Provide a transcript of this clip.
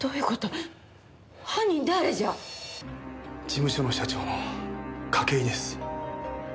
事務所の社長の筧です。